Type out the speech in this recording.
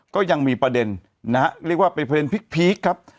ก็ยังมีประเด็นนะฮะเรียกว่าเป็นประเด็นพีคครับ